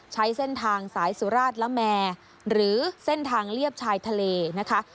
ใช้เส้นทางสายสุราชละแมหรือเส้นทางเลียบชายทะเลนะคะ